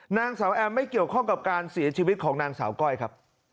นางสาวแอมไม่เกี่ยวข้องกับการเสียชีวิตของนางสาวก้อยครับ